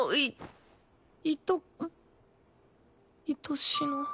いとしの。